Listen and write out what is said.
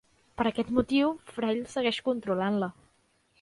Per aquest motiu, Frail segueix controlant-la.